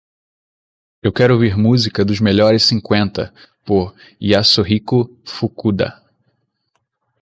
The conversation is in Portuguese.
Eu quero ouvir música dos melhores cinquenta por Yasuhiko Fukuda